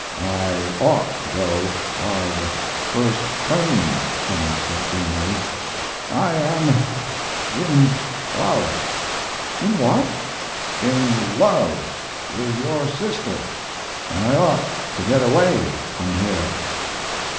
"I ought to go by the first train," Clemens said, gloomily. "I am in love." "In what!" "In love with your sister, and I ought to get away from here."